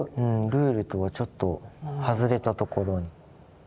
ルールとはちょっと外れたところに。